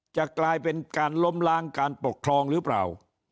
จะกลายเป็นการล้มล้างการปกครองหรือเปล่า